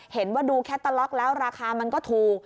เห็นว่าดูแคตเตอร์ล็อกแล้วราคามันก็ถูก